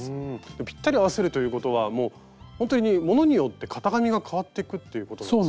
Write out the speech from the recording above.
ぴったり合わせるということはもうほんとにものによって型紙が変わっていくっていうことなんですか？